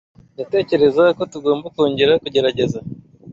Ndatekereza ko tugomba kongera kugerageza.